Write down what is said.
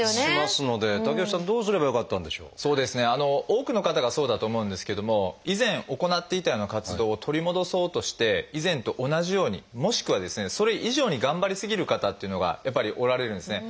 多くの方がそうだと思うんですけども以前行っていたような活動を取り戻そうとして以前と同じようにもしくはですねそれ以上に頑張り過ぎる方っていうのがやっぱりおられるんですね。